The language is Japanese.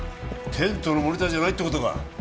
テントのモニターじゃないってことか